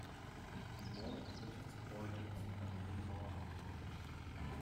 Die Wohn- und Wirtschaftsgebäude sind an die Ringmauer angelehnt.